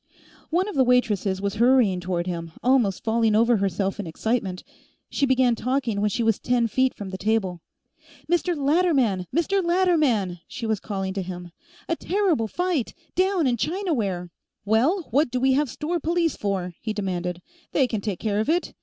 One of the waitresses was hurrying toward him, almost falling over herself in excitement. She began talking when she was ten feet from the table. "Mr. Latterman! Mr. Latterman!" she was calling to him. "A terrible fight, down in Chinaware !" "Well, what do we have store police for?" he demanded. "They can take care of it.